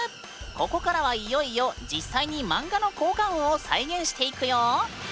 ここからはいよいよ実際にマンガの効果音を再現していくよ！